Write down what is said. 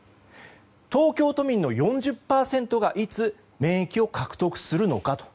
東京都民の４０％がいつ、免疫を獲得するのかと。